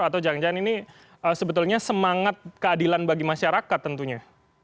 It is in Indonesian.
atau jangan jangan ini sebetulnya semangat keadilan bagi masyarakat tentunya